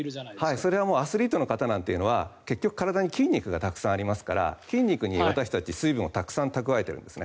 それはアスリートの方というのは筋肉が体にたくさんありますから筋肉に私たち水分をたくさん蓄えているんですね。